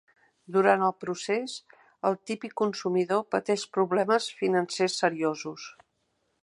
Durant el procés, el típic consumidor pateix problemes financers seriosos.